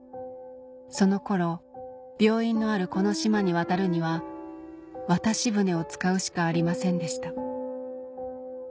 その頃病院のあるこの島に渡るには渡し船を使うしかありませんでした